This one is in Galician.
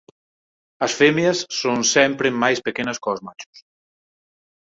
As femias son sempre máis pequenas cós machos.